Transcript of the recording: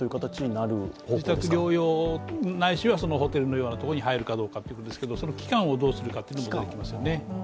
自宅療養ないしはホテルのようなところに入るかどうかということですけどその期間をどうするかですよね。